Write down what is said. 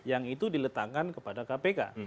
yang itu diletakkan kepada kpk